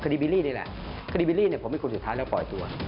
บิลลี่นี่แหละคดีบิลลี่เนี่ยผมเป็นคนสุดท้ายแล้วปล่อยตัว